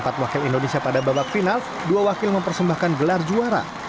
empat wakil indonesia pada babak final dua wakil mempersembahkan gelar juara